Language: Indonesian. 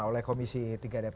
oleh komisi tiga dpr